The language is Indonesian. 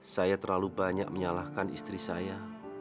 saya terlalu banyak menyalahkan istri saya